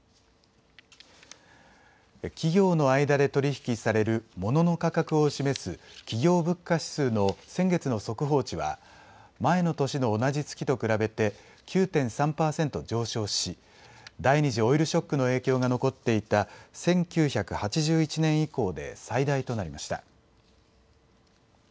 企業の間で取り引きされるモノの価格を示す企業物価指数の先月の速報値は前の年の同じ月と比べて９．３％上昇し、第２次オイルショックの影響が残っていた１９８１年以降で最大となりました。